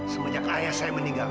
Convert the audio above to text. semenjak ayah saya meninggal